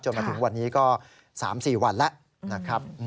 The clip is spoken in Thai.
มาถึงวันนี้ก็๓๔วันแล้วนะครับ